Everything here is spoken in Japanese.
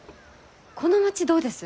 この町どうです？